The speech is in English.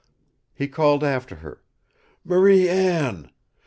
He called after her, "Marie Anne!